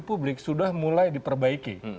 publik sudah mulai diperbaiki